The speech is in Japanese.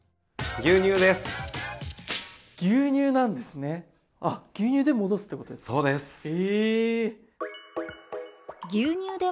牛乳で戻すってことですか？